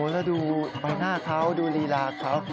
แล้วดูใบหน้าเขาดูลีลาเขา